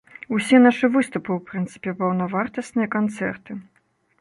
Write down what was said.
Усе нашы выступы, у прынцыпе, паўнавартасныя канцэрты.